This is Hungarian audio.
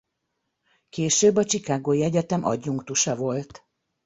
Később a chicagói egyetem adjunktusa volt.